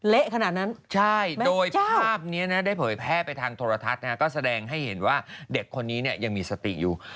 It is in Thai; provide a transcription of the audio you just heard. เละขนาดนั้นใช่โดยภาพนี้นะได้เผยแพร่ไปทางโทรทัศน์ก็แสดงให้เห็นว่าเด็กคนนี้เนี่ยยังมีสติอยู่